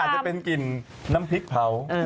จะเป็นกลิ่นน้ำพริกเผา